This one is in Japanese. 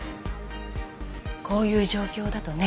こういう状況だとね